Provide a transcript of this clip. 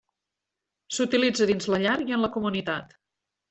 S'utilitza dins la llar i en la comunitat.